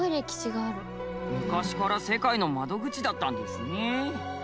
昔から世界の窓口だったんですね。